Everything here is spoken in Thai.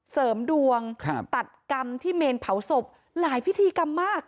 เสริมดวงครับตัดกรรมที่เมนเผาศพหลายพิธีกรรมมาก